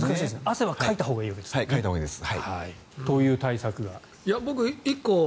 汗はかいたほうがいいわけですね。という対策が。